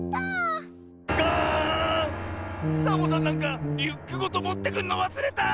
サボさんなんかリュックごともってくるのわすれた！